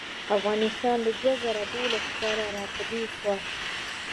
افغانستان له دوه زره دولسم کال راپه دې خوا